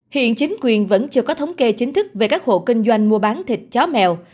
hiện chính quyền vẫn chưa có thống kê chính thức về các hộ kinh doanh mua bán thịt chó mèo